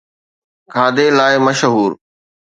کاڌي لاءِ مشهور